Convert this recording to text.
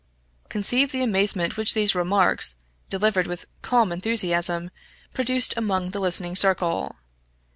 Conceive the amazement which these remarks delivered with calm enthusiasm produced among the listening circle.